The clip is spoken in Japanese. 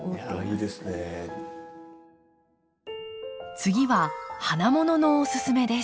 次は花もののおすすめです。